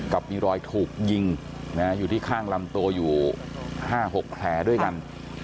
กับมีรอยถูกยิงอยู่ที่ข้างลำตัวอยู่๕๖แผลด้วยกัน